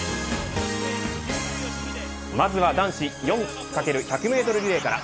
まずは男子４×１００メートルリレーから。